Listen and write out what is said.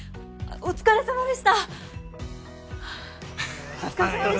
お疲れさまです。